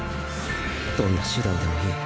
どんな手段でもいい。